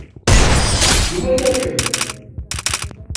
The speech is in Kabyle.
Nwala-kem.